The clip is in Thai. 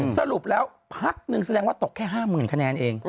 สรุปแล้วพักหนึ่งแสดงว่าตกแค่๕๐๐๐คะแนนเอง